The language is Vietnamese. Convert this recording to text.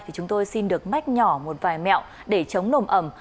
thì chúng tôi xin được mách nhỏ một vài mẹo để chống nồm ẩm